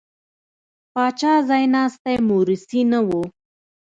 پاچا ځایناستی مورثي نه و.